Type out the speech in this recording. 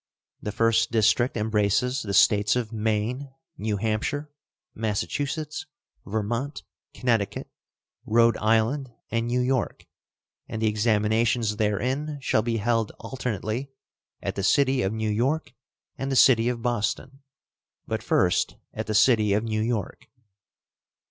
The first district embraces the States of Maine, New Hampshire, Massachusetts, Vermont, Connecticut, Rhode Island, and New York; and the examinations therein shall be held alternately at the city of New York and the city of Boston, but first at the city of New York.